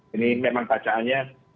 ini memang bacaannya